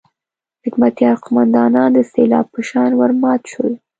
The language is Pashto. حکمتیار قوماندانان د سېلاب په شان ورمات شول.